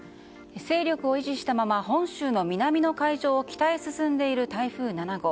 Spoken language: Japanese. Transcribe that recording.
勢力を維持したまま本州の南の海上を北へ進んでいる台風７号。